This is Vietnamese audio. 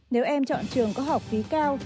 nếu em chọn trường có học phí cao